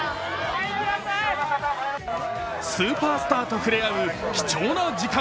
スーパースターと触れ合う貴重な時間。